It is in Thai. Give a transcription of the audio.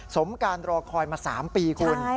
สมการรอคอยมา๓ปีคุณ